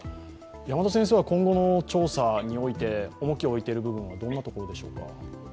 今後の調査において重きを置いている部分はどんなところでしょうか。